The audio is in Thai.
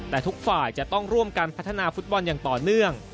แต่ทุกฝ่ายจะต้องร่วมกันพัฒนาฟุตบอลอย่างต่อเนื่อง